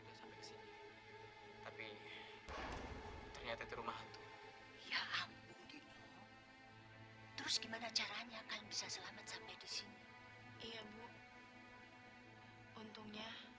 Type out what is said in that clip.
ketika kita berdua kita tidak bisa menemukan keti